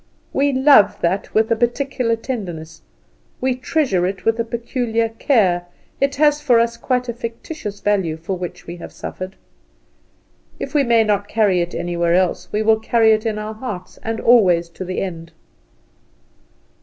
We love that with a peculiar tenderness, we treasure it with a peculiar care, it has for us quite a fictitious value, for which we have suffered. If we may not carry it anywhere else we will carry it in our hearts, and always to the end.